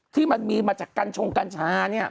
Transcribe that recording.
ที่มันมีมาจากกัญชงกัญชา